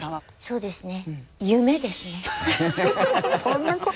そうですね。